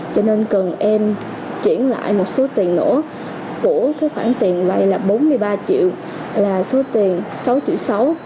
cho nên cần em chuyển lại một số tiền nữa của cái khoản tiền vay là bốn mươi ba triệu là số tiền sáu triệu sáu